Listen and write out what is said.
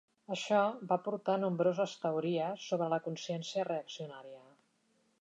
Això va portar a nombroses teories sobre la consciència reaccionària.